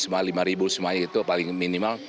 bawah seratus ribu lima ribu itu paling minimal